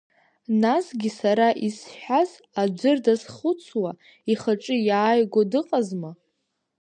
Насгьы сара исҳәаз аӡәыр дазхәыцуа, ихаҿы иааиго дыҟазма?